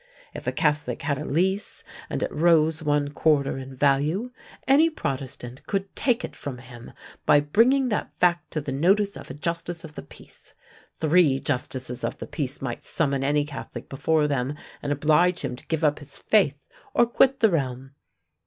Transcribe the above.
If a Catholic had a lease, and it rose one quarter in value, any Protestant could take it from him by bringing that fact to the notice of a justice of the peace. Three justices of the peace might summon any Catholic before them, and oblige him to give up his faith, or quit the realm.